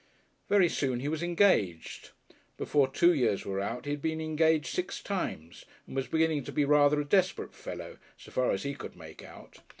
Very soon he was engaged. Before two years were out he had been engaged six times, and was beginning to be rather a desperate fellow, so far as he could make out.